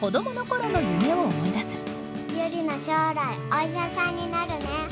将来お医者さんになるね。